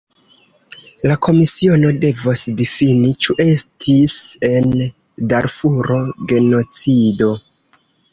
La komisiono devos difini, ĉu estis en Darfuro genocido.